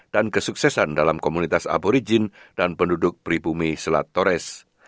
dan kesuksesan dalam komunitas aborigin dan penduduk pribumi selat torres